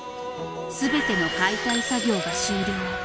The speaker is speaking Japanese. すべての解体作業が終了。